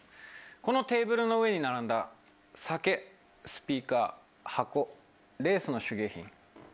このテーブルの上に並んだ酒、スピーカー、箱レースの手芸品。